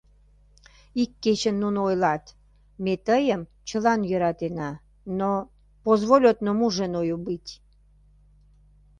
Ик кечын нуно ойлат: ме тыйым чылан йӧратена, но... позволь одному женою быть...